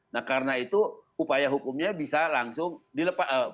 nah karena itu upaya hukumnya bisa langsung dilepaskan